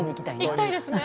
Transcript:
行きたいですね。